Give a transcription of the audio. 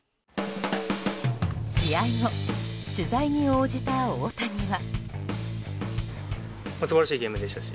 試合後、取材に応じた大谷は。